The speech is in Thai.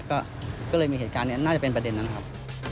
ก็เลยมีเหตุการณ์นี้น่าจะเป็นประเด็นนั้นครับ